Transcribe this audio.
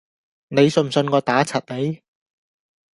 你信唔信我打柒你？